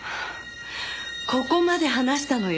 ここまで話したのよ。